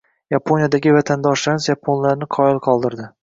Yaponiyadagi vatandoshlarimiz yaponlarni qoyil qoldirdi